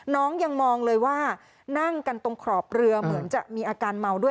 น้องยังมองเลยว่านั่งกันตรงขอบเรือเหมือนจะมีอาการเมาด้วย